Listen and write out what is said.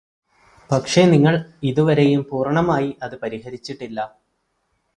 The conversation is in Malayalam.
പക്ഷേ നിങ്ങള് ഇതുവരെയും പൂർണമായി അത് പരിഹരിച്ചിട്ടില്ല